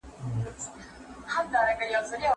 دغه شعاري پېژند په اسانۍ سره په ذهن کي کښېني.